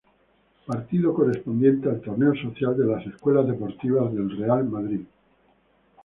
Partido correspondiente al torneo social de las Escuelas deportivas del Real Madrid.